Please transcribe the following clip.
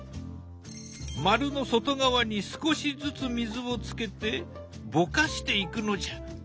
丸の外側に少しずつ水をつけてぼかしていくのじゃ。